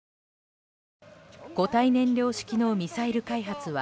固体燃料式のミサイル開発は